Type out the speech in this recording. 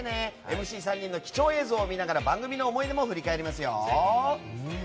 ＭＣ３人の貴重映像を見ながら番組の思い出も振り返りますよ。